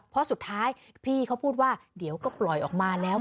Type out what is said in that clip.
เพราะสุดท้ายพี่เขาพูดว่าเดี๋ยวก็ปล่อยออกมาแล้ว